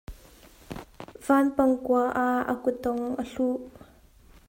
Vanpang kua ah a kutdong a hluh.